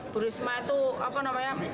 burisma itu apa namanya